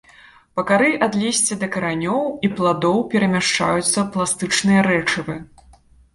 Па кары ад лісця да каранёў і пладоў перамяшчаюцца пластычныя рэчывы.